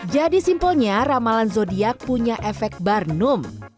jadi simpelnya ramalan zodiac punya efek barnum